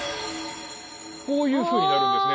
こういうふうになるんですね。